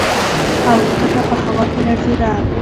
الوتکه په هوا کې لړزیده.